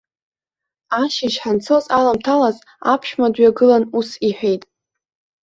Ашьыжь ҳанцоз аламҭалаз аԥшәма дҩагылан ус иҳәеит.